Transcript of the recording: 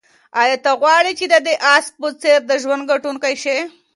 آیا ته غواړې چې د دې آس په څېر د ژوند ګټونکی شې؟